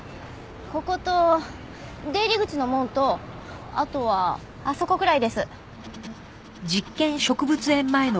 ここと出入り口の門とあとはあそこくらいです。